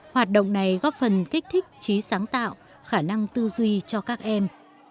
hoạt động này góp phần kích thích trí sáng tạo khả năng tư duy cho các em